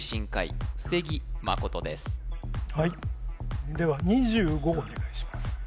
はいではお願いします